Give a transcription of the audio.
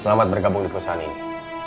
selamat bergabung di perusahaan ini